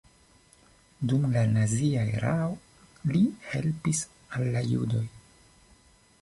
Dum la nazia erao li helpis al la judoj.